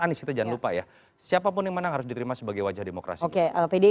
anies kita jangan lupa ya siapapun yang menang harus diterima sebagai wajah demokrasi oke lpd